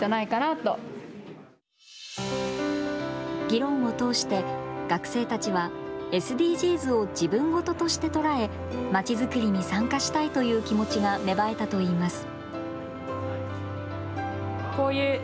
議論を通して学生たちはＳＤＧｓを自分事として捉えまちづくりに参加したいという気持ちが芽生えたといいます。